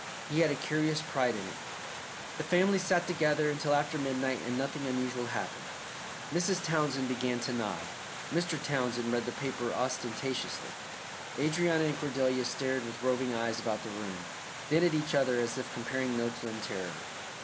He had a curious pride in it. The family sat together until after midnight and nothing unusual happened. Mrs. Townsend began to nod; Mr. Townsend read the paper ostentatiously. Adrianna and Cordelia stared with roving eyes about the room, then at each other as if comparing notes on terror.